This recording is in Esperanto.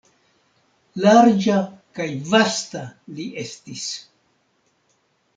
Larĝa kaj vasta li estis!